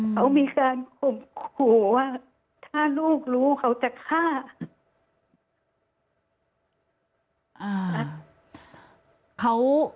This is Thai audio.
เขามีการข่มขู่ว่าถ้าลูกรู้เขาจะฆ่า